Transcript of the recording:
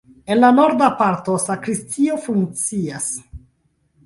En la norda parto sakristio funkcias.